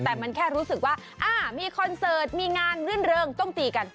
แต่มันแค่รู้สึกว่ามีคอนเสิร์ตมีงานรื่นเริงต้องตีกัน